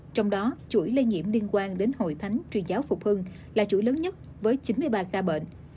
trong đó chuỗi lây nhiễm liên quan đến hội thánh truyền giáo phục hưng là chuỗi lớn nhất với chín mươi ba ca bệnh